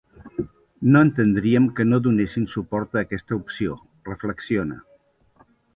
No entendríem que no donessin suport a aquesta opció, reflexiona.